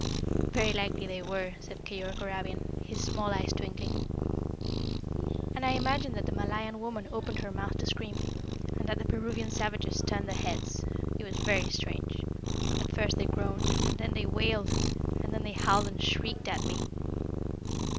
"Very likely they were," said Keyork Arabian, his small eyes twinkling. "And I imagined that the Malayan woman opened her mouth to scream, and that the Peruvian savages turned their heads; it was very strange at first they groaned, and then they wailed, and then they howled and shrieked at me."